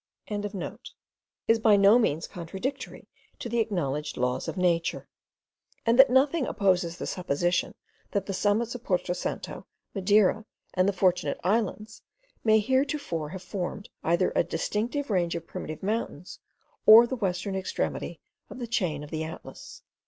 is by no means contradictory to the acknowledged laws of nature; and that nothing opposes the supposition that the summits of Porto Santo, Madeira, and the Fortunate Islands, may heretofore have formed, either a distinct range of primitive mountains, or the western extremity of the chain of the Atlas.